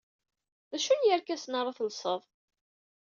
D acu n yerkasen ara telseḍ?